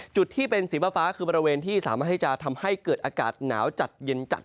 จุดที่เป็นสีฟ้าคือบริเวณที่สามารถที่จะทำให้เกิดอากาศหนาวจัดเย็นจัด